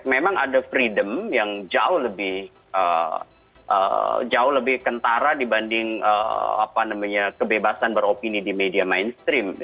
memang ada freedom yang jauh lebih kentara dibanding apa namanya kebebasan beropini di media mainstream